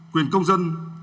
quyền công dân